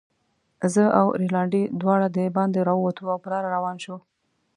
زه او رینالډي دواړه دباندې راووتو، او په لاره روان شوو.